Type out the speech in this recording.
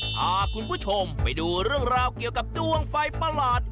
พาคุณผู้ชมไปดูเรื่องราวเกี่ยวกับดวงไฟประหลาด